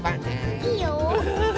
いいよ。